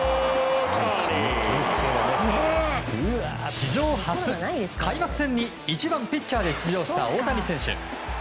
史上初、開幕戦に１番、ピッチャーで出場した大谷選手。